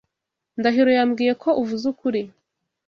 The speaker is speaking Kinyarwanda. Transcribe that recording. Ndahiro yambwiye ko uvuze ukuri.